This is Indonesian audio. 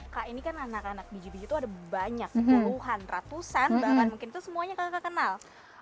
kak ini kan anak anak biji biji itu ada banyak puluhan ratusan bahkan mungkin itu semuanya kakak kenal